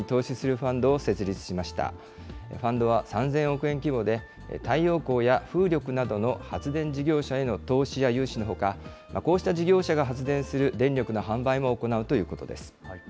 ファンドは３０００億円規模で、太陽光や風力などの発電事業者への投資や融資のほか、こうした事業者が発電する電力の販売も行うということです。